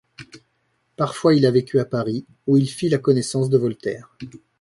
Parfois, il a vécu à Paris, où il fit la connaissance de Voltaire.